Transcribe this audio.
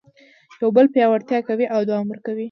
یو بل پیاوړي کوي او دوام ورکوي.